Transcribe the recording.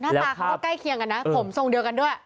หน้าตาก็ก็ใกล้เคียงละผมทรงเดียวกันด้วย